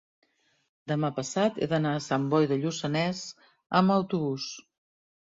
demà passat he d'anar a Sant Boi de Lluçanès amb autobús.